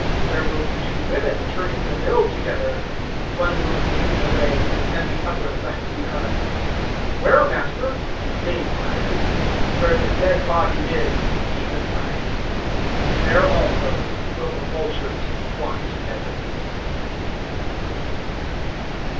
017:035 There will be two women turning the mill together: one will be taken away and the other left behind." 017:036 [] 017:037 "Where, Master?" they inquired. "Where the dead body is," He replied, "there also will the vultures flock together."